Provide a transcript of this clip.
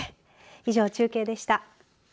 以上、中継でした。